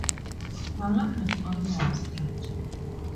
Balla has only one street.